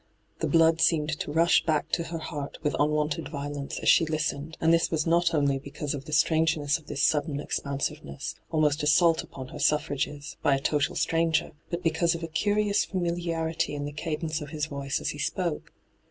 The Wood seemed to rush back to her heart with unwonted violence as she listened ; and this was not only because of the strangeness of this sudden expansiveness, almost assault upon her suf frages, by a total stranger, but because of a curioiui familiarity in the cadence of his voice as he spoke.